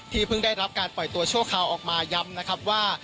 ที่เพิ่งได้รับการปล่อยตัวโชคเขาออกมายำนะครับว่า